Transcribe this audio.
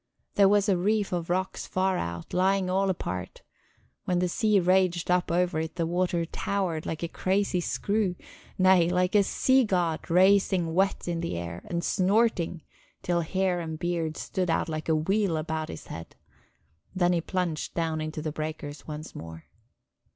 There was a reef of rocks far out, lying all apart; when the sea raged up over it the water towered like a crazy screw; nay, like a sea god rising wet in the air, and snorting, till hair and beard stood out like a wheel about his head. Then he plunged down into the breakers once more.